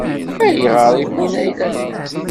Ayɣer i wwin ayla-nneɣ?